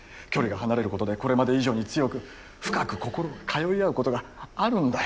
距離が離れることでこれまで以上に強く深く心が通い合うことがあるんだよ。